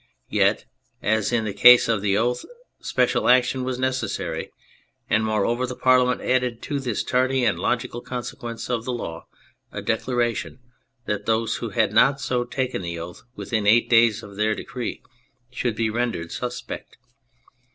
Yet, as in the case of the oath, special action was necessary, and moreover the Parliament added to this tardy and logical consequence of the law a declaration that those who had not so taken the oath within eight days of their decree should be rendered '' suspect."